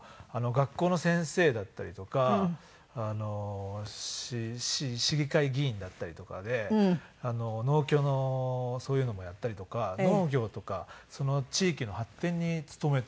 学校の先生だったりとか市議会議員だったりとかで農協のそういうのもやったりとか農業とかその地域の発展に努めた人らしくて。